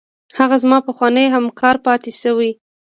هغه زما پخوانی همکار پاتې شوی.